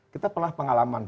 kita pernah pengalaman